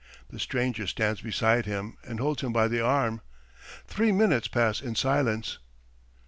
The stranger stands beside him and holds him by the arm. ... Three minutes pass in silence.